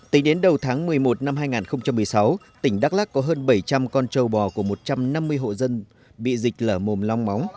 tính đến đầu tháng một mươi một năm hai nghìn một mươi sáu tỉnh đắk lắc có hơn bảy trăm linh con trâu bò của một trăm năm mươi hộ dân bị dịch lở mồm long móng